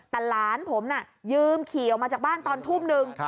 แต่หลานผมน่ะยืมขี่ออกมาจากบ้านตอนทุ่มนึง